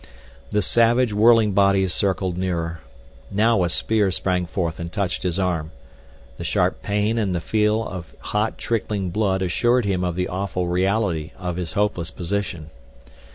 The savage, whirling bodies circled nearer. Now a spear sprang forth and touched his arm. The sharp pain and the feel of hot, trickling blood assured him of the awful reality of his hopeless position.